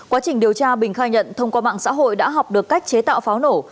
quá trình điều tra bình khai nhận thông qua mạng xã hội đã học được cách chế tạo pháo nổ